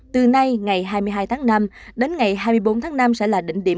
từ nay ngày hai mươi hai tháng năm đến ngày hai mươi bốn tháng năm sẽ là đỉnh điểm